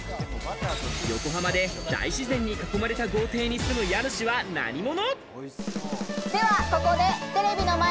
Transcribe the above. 横浜で大自然に囲まれた豪邸に住む家主は何者？